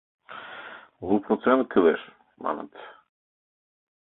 Лу процент кӱлеш, маныт.